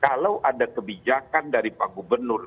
kalau ada kebijakan dari pak gubernur